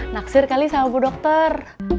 naksir kali sama bu dokter